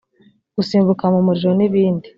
gusimbuka mu muriro n’ibindi